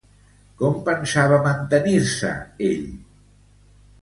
Com pensava mantenir-se ell?